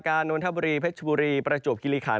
อำนาจรเฺินสุริณสีสเกส